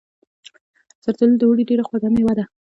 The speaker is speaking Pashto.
زردالو د اوړي ډیره خوږه میوه ده.